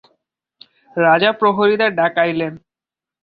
রাজা প্রহরীদের ডাকাইলেন।